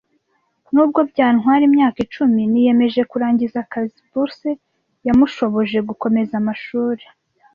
Nubwo byantwara imyaka icumi, niyemeje kurangiza akazi. Bourse yamushoboje gukomeza amashuri.